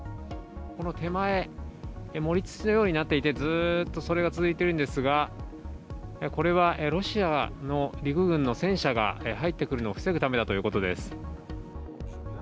この手前、盛り土のようになっていて、ずーっとそれが続いているんですが、これはロシアの陸軍の戦車が入ってくるのを防ぐためだということ